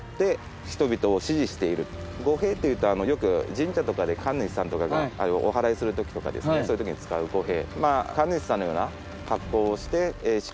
御幣というとよく神社とかで神主さんがおはらいするときとかそういうときに使う御幣。